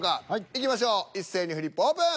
いきましょう一斉にフリップオープン！